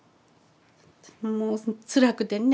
もうつらくてね。